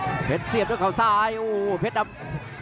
อื้อหือจังหวะขวางแล้วพยายามจะเล่นงานด้วยซอกแต่วงใน